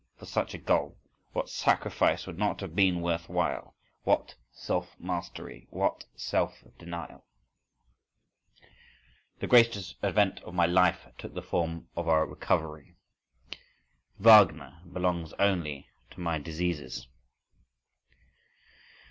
—For such a goal—what sacrifice would not have been worth while? What "self mastery"! What "self denial"! The greatest event of my life took the form of a recovery. Wagner belongs only to my diseases.